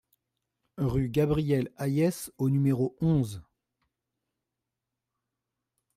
Rue Gabriel Hayes au numéro onze